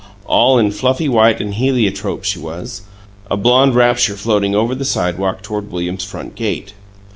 All in fluffy white and heliotrope she was a blonde rapture floating over the sidewalk toward William's front gate.